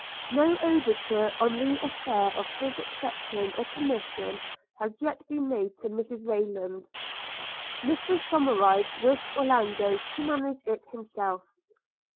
No overture on the affair of his accepting a commission had yet been made to Mrs Rayland. Mr Somerive wished Orlando to manage it himself.